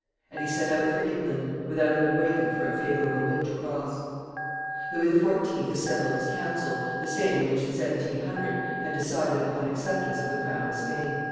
And he set out for England without even waiting for a favorable wind to cross. Louis XIV. assembled his council, the same which, in 1700, had decided upon acceptance of the crown of Spain.